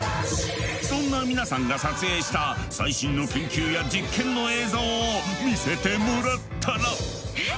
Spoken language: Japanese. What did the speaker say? そんな皆さんが撮影した最新の研究や実験の映像を見せてもらったら。